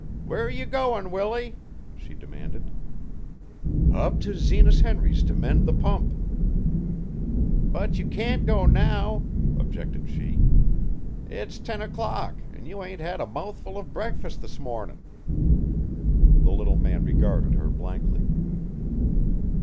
"Where you goin', Willie?" she demanded. "Up to Zenas Henry's to mend the pump." "But you can't go now," objected she. "It's ten o'clock, an' you ain't had a mouthful of breakfast this mornin'." The little man regarded her blankly.